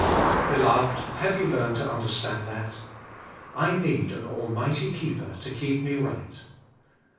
Beloved, have you learned to understand that? I need an almig hty keeper to keep me right.